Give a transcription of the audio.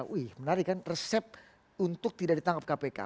wih menarik kan resep untuk tidak ditangkap kpk